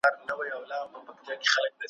گوره بیا څوک د وصال تخت ته رسېږي